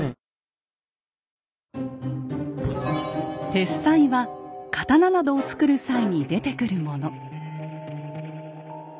鉄滓は刀などを作る際に出てくるもの。